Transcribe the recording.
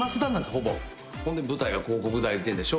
ほぼほんで舞台が広告代理店でしょ